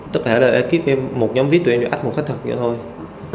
tất cả đời ekip một nhóm vip tụi em đều ách một khách thật vậy thôi